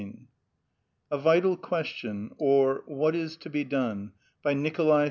I $^ A VITAL QUESTION; WHAT IS TO BE DONE? Bt NIKOLAI G.